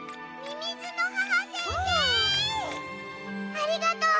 ありがとう。